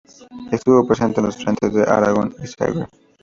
Estuvo presente en los frentes de Aragón y Segre.